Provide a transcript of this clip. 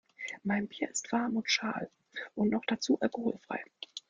Mein Bier ist warm und schal und noch dazu alkoholfrei.